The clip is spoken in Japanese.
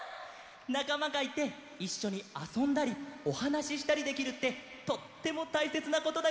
なかまがいていっしょにあそんだりおはなししたりできるってとってもたいせつなことだよね！